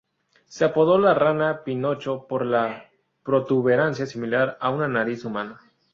Se apodó la rana pinocho por la protuberancia similar a una nariz humana.